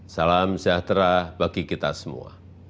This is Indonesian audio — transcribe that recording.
salam sejahtera bagi kita semua